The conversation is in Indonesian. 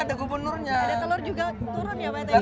ada telur juga turun ya pak